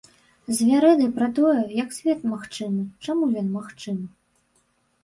З вярэдай пра тое, як свет магчымы, чаму ён магчымы.